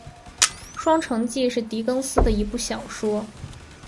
《双城记》是狄更斯的一部小说。